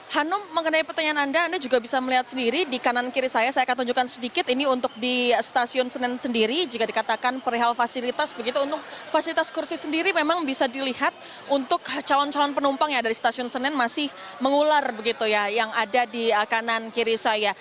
hanum mengenai pertanyaan anda anda juga bisa melihat sendiri di kanan kiri saya saya akan tunjukkan sedikit ini untuk di stasiun senen sendiri jika dikatakan perihal fasilitas begitu untuk fasilitas kursi sendiri memang bisa dilihat untuk calon calon penumpang yang dari stasiun senen masih mengular begitu ya yang ada di kanan kiri saya